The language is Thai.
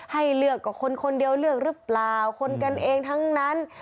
ให้เลือกกับคนคนเดียวเลือกหรือเปล่าคนกันเองทั้งนั้น